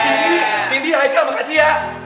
cindy cindy haikal makasih ya